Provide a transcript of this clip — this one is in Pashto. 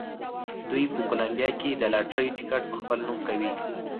دوی په کولمبیا کې د لاټرۍ ټکټ په خپل نوم کوي.